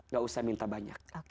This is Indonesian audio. nggak usah minta banyak